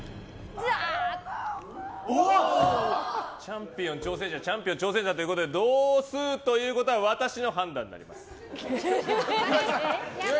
チャンピオン、挑戦者チャンピオン挑戦者ということで同数ということは私の判断になります。